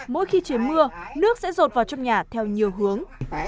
mỗi khi trời mưa nước sẽ rột vào trong nhà theo nhiều hướng